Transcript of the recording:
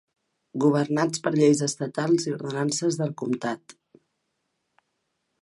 Governats per lleis estatals i ordenances del comtat.